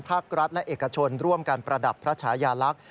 ภาครัฐและเอกชนร่วมกันประดับพระชายาลักษณ์